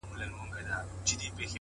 • څه مسافره یمه خير دی ته مي ياد يې خو ـ